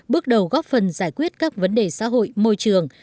bước đầu góp phần giải quyết các vấn đề xã hội môi trường